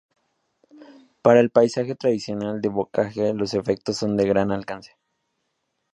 Para el paisaje tradicional de bocage, los efectos son de gran alcance.